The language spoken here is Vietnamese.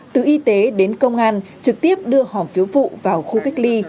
từ y tế đến công an trực tiếp đưa hòm phiếu vụ vào khu cách ly